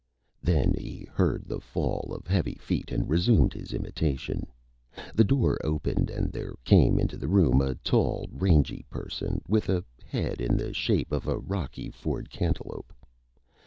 Then he heard the fall of Heavy Feet and resumed his Imitation. The Door opened and there came into the Room a tall, rangy Person with a Head in the shape of a Rocky Ford Cantaloupe.